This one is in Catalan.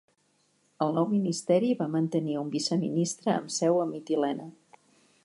El nou ministeri va mantenir un viceministre amb seu a Mitilene.